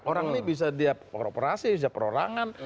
orang ini bisa dia korporasi bisa perorangan